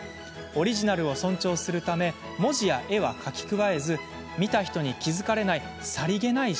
オリジナルを尊重するため文字や絵は書き加えず見た人に気付かれないさりげない